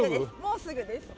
もうすぐです。